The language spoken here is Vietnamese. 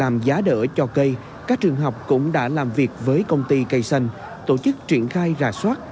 mở cho cây các trường học cũng đã làm việc với công ty cây xanh tổ chức triển khai rà soát